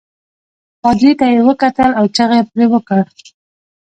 پادري ته یې وکتل او چغه يې پرې وکړل.